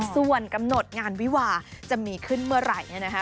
ส่วนกำหนดงานวิวาจะมีขึ้นเมื่อไหร่เนี่ยนะคะ